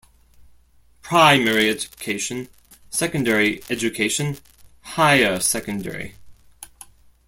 Primary Education, Secondary Education, Higher Secondary.